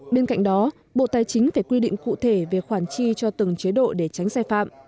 bên cạnh đó bộ tài chính phải quy định cụ thể về khoản chi cho từng chế độ để tránh sai phạm